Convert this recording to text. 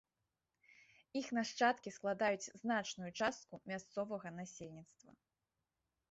Іх нашчадкі складаюць значную частку мясцовага насельніцтва.